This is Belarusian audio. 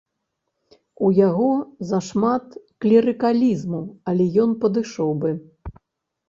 У яго зашмат клерыкалізму, але ён падышоў бы.